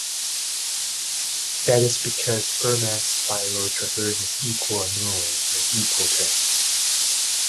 That is because Fermat's spiral traverses equal annuli in equal turns.